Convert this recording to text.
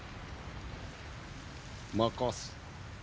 任す。